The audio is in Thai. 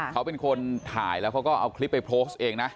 เขาเป็นคนถ่ายแล้วเขาก็เอาคลิปไปโพสต์เองนะ